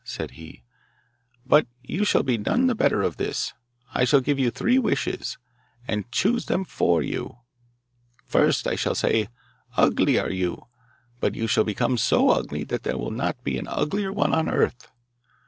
said he; 'but you shall be none the better of this. I shall give you three wishes, and choose them for you. First, I shall say, "Ugly are you, but you shall become so ugly that there will not be an uglier one on earth."